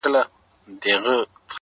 کيسې د پروني ماښام د جنگ در اچوم،